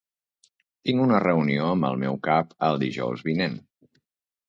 Tinc una reunió amb el meu cap el dijous vinent.